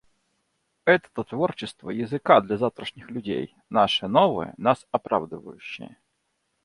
Это-то творчество языка для завтрашних людей — наше новое, нас оправдывающее.